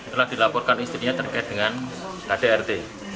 telah dilaporkan istrinya terkait dengan kdrt